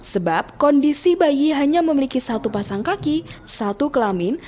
sebab kondisi bayi hanya memiliki satu pasang kaki satu kelamin